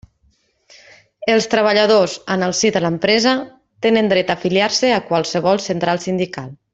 Els treballadors, en el si de l'empresa, tenen dret a afiliar-se a qualsevol central sindical.